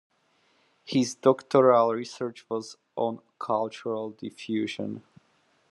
His doctoral research was on cultural diffusion.